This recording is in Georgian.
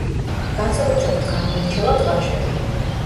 განსაკუთრებით გამოირჩევა პლაჟები.